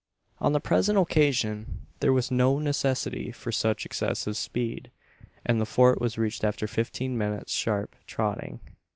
On the present occasion there was no necessity for such excessive speed; and the Fort was reached after fifteen minutes' sharp trotting.